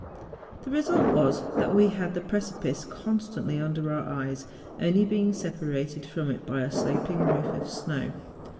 The result was that we had the precipice constantly under our eyes, only being separated from it by a sloping roof of snow.